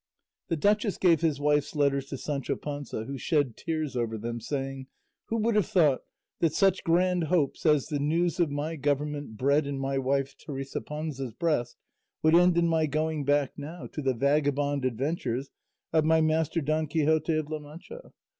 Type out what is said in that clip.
The duchess gave his wife's letters to Sancho Panza, who shed tears over them, saying, "Who would have thought that such grand hopes as the news of my government bred in my wife Teresa Panza's breast would end in my going back now to the vagabond adventures of my master Don Quixote of La Mancha?